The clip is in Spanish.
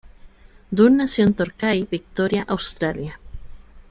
Dunn nació en Torquay, Victoria, Australia.